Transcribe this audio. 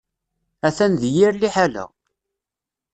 Atan di yir liḥala.